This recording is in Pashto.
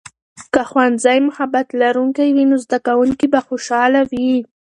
که ښوونځی محبت لرونکی وي، نو زده کوونکي به خوشاله وي.